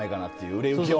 売れ行きを。